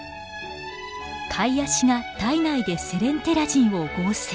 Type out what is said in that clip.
カイアシが体内でセレンテラジンを合成。